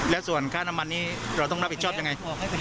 และส่วนค่าน้ำมันนี้เราต้องรับผิดชอบยังไง